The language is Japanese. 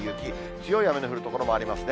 強い雨の降る所もありますね。